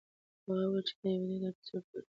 هغه وویل چې دا ویډیو ډېره په زړه پورې ده.